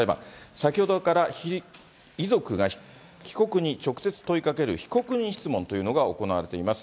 先ほどから、遺族が被告人に直接問いかける、被告人質問というのが行われています。